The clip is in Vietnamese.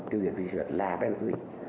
tiêu diệt vi sinh vật là benzoic